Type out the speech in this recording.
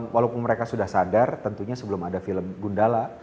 walaupun mereka sudah sadar tentunya sebelum ada film gundala